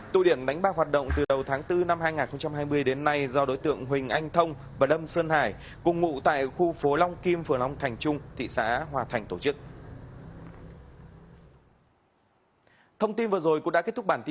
tụ điểm đánh bạc hoạt động từ đầu tháng bốn năm hai nghìn hai mươi đến nay do đối tượng huỳnh anh thông và lâm sơn hải cùng ngụ tại khu phố long kim phường long thành trung thị xã hòa thành tổ chức